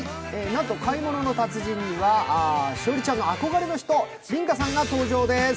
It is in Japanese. なんと「買い物の達人」には栞里ちゃんの憧れの人、梨花さんが登場です。